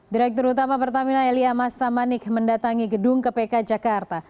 direktur utama pertamina elia massamanik mendatangi gedung kpk jakarta